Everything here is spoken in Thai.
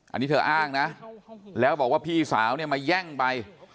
อันนี้เธออ้างนะแล้วบอกว่าพี่สาวเนี่ยมาแย่งไป